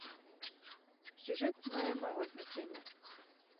Сюжэт мае мала значэння.